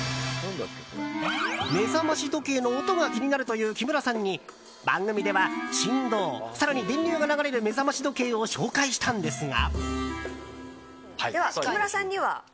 目覚まし時計の音が気になるという木村さんに番組では振動、更に電流が流れる目覚まし時計を紹介したんですが。